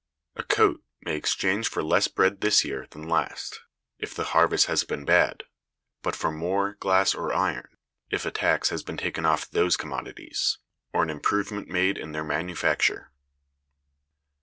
A coat may exchange for less bread this year than last, if the harvest has been bad, but for more glass or iron, if a tax has been taken off those commodities, or an improvement made in their manufacture.